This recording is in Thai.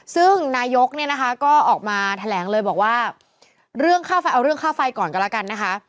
ซึ่งนายกก็ออกมาแถลงเลยบอกว่าเอาเรื่องค่าไฟก่อนก็ละกันนะคะ